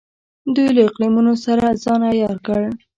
دوی له اقلیمونو سره ځان عیار کړ.